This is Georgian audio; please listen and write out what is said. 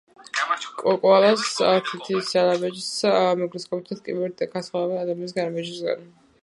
კოალას თითის ანაბეჭდს მიკროსკოპითაც კი ვერ განასხვავებთ ადამიანის ანაბეჭდისგან.